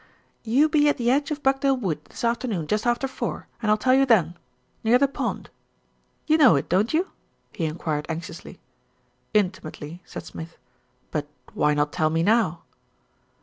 "You be at the edge of Buckdale Wood this after noon, just after four, and I'll tell you then. Near the pond. You know it, don't you?" he enquired anxiously. "Intimately," said Smith. "But why not tell me now?"